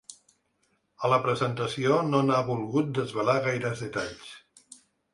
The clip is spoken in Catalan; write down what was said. A la presentació no n’ha volgut desvelar gaires detalls.